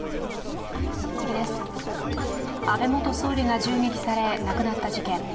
安倍元総理が銃撃され、亡くなった事件。